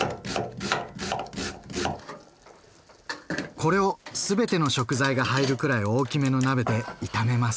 これを全ての食材が入るくらい大きめの鍋で炒めます。